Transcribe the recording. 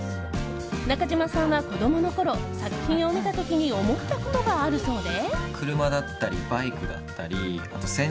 中島さんは子供のころ作品を見た時に思ったことがあるそうで。